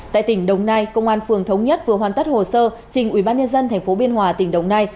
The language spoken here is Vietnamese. tại tỉnh đồng nai công an phường thống nhất vừa hoàn tất hồ sơ trình ubnd tp biên hòa tỉnh đồng nai